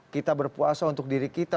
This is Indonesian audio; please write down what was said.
kita berpuasa untuk diri kita